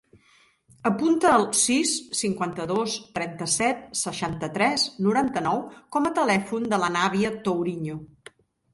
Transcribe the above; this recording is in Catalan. Apunta el sis, cinquanta-dos, trenta-set, seixanta-tres, noranta-nou com a telèfon de l'Anabia Touriño.